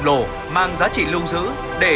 còn là lời chiên sâu sắc